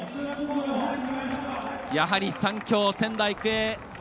やはり３強、仙台育英。